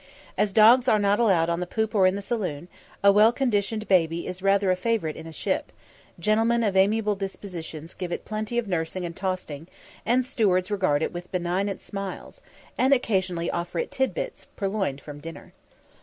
As dogs are not allowed on the poop or in the saloon, a well conditioned baby is rather a favourite in a ship; gentlemen of amiable dispositions give it plenty of nursing and tossing, and stewards regard it with benignant smiles, and occasionally offer it "titbits" purloined from dinner.